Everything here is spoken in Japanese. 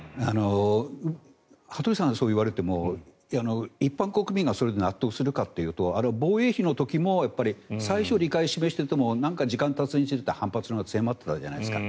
羽鳥さんがそう言われても一般国民が納得するかというと防衛費の時も最初は理解を示していてもなんか時間がたつにつれて反発のほうが強まったじゃないですか。